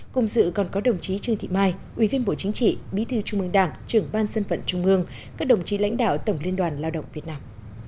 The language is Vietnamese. cùng sự còn có đồng chí trương thị mai ubnd bí thư trung ương đảng trưởng ban dân vận trung ương các đồng chí lãnh đạo tổng liên đoàn lao động việt nam